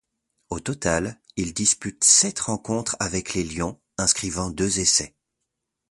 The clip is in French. Au total, il dispute sept rencontres avec les Lions, inscrivant deux essais.